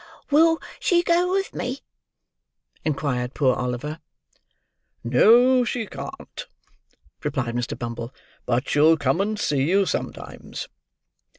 "Will she go with me?" inquired poor Oliver. "No, she can't," replied Mr. Bumble. "But she'll come and see you sometimes."